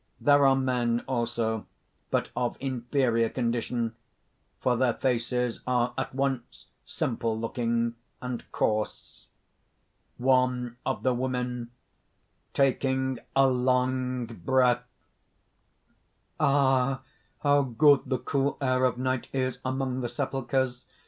There are men also, but of inferior condition; for their faces are at once simple looking and coarse._ (One of the Women, taking a long breath:) "Ah! how good the cool air of night is, among the sepulchers!